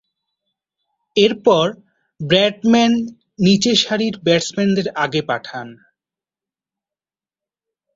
এরপর ব্র্যাডম্যান নিচেরসারির ব্যাটসম্যানদেরকে আগে পাঠান।